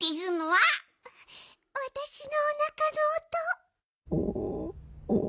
わたしのおなかのおと。